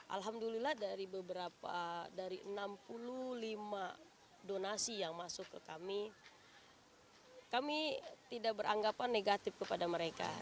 alhamdulillah dari beberapa dari enam puluh lima donasi yang masuk ke kami kami tidak beranggapan negatif kepada mereka